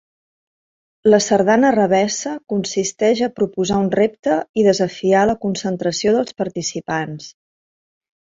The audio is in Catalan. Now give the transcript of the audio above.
La sardana revessa consisteix a proposar un repte i desafiar la concentració dels participants.